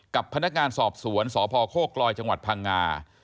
กับพนักงานสอบสวนสพโคกลอยจังหวัดพังงา